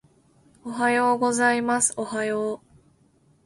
おはようございますおはよう